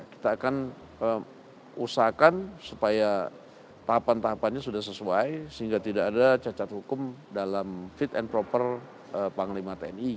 kita akan usahakan supaya tahapan tahapannya sudah sesuai sehingga tidak ada cacat hukum dalam fit and proper panglima tni